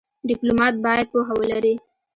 ډيپلومات باید پوهه ولري.